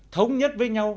thống nhất với nhau